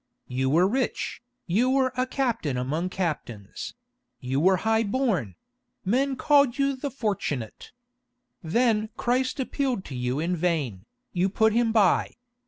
You were rich, you were a captain among captains; you were high born; men called you 'The Fortunate.' Then Christ appealed to you in vain, you put Him by.